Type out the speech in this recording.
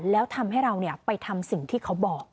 แล้วทำให้เราไปทำสิ่งที่เขาบอก